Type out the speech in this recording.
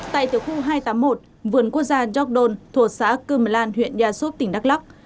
tại tiểu khu hai trăm tám mươi một vườn quốc gia jordan thuộc xã cơm lan huyện e soup tỉnh đắk lắk